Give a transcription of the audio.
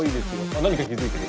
あ何かに気付いてる。